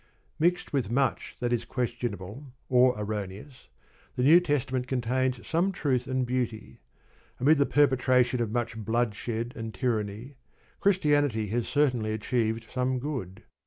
Mixed with much that is questionable or erroneous, the New Testament contains some truth and beauty. Amid the perpetration of much bloodshed and tyranny, Christianity has certainly achieved some good.